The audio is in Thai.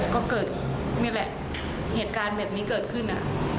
ก็เกิดนี่แหละเหตุการณ์แบบนี้เกิดขึ้น